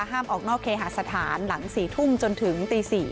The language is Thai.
ห้ามออกนอกเคหาสถานหลัง๔ทุ่มจนถึงตี๔